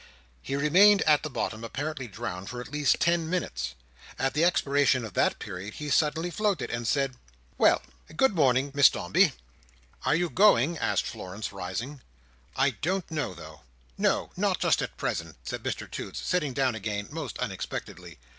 He remained at the bottom, apparently drowned, for at least ten minutes. At the expiration of that period, he suddenly floated, and said, "Well! Good morning, Miss Dombey." "Are you going?" asked Florence, rising. "I don't know, though. No, not just at present," said Mr Toots, sitting down again, most unexpectedly.